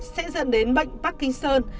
sẽ dẫn đến bệnh parkinson